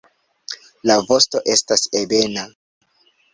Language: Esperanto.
La vosto estas ebena.